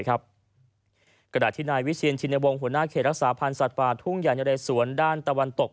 กระดาษทินายวิชินชินวงศ์หัวหน้าเขตรักษาภัณฑ์สัตว์ฟ้าทุ่งอย่างในระยะสวนด้านตะวันตก